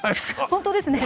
本当ですね。